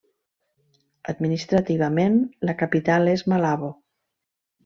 Administrativament la capital és Malabo.